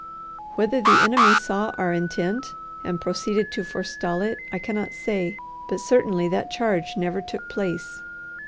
Whether the enemy saw our intent and proceeded to forestall it, I cannot say, but certainly that charge never took place.